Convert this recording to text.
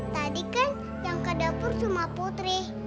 tadi kan yang ke dapur cuma putri